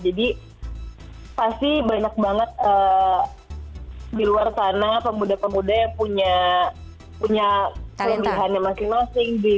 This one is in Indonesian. jadi pasti banyak banget di luar sana pemuda pemuda yang punya kelebihan masing masing